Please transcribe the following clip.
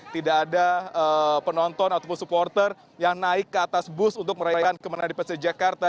tidak ada penonton ataupun supporter yang naik ke atas bus untuk merayakan kemenangan di persija jakarta